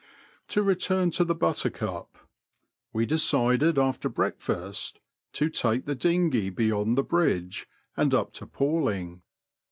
To return to the Buttercup. We decided after breakfeist to take the dinghey beyond the bridge and up to Palling.